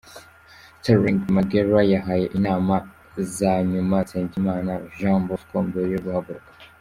Sterling Magnell yahaye inama za nyuma Nsengimana Jean Bosco mbere yo guhaguruka